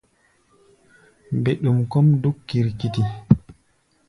Mbɛɗum kɔ́ʼm dúk kirkiti.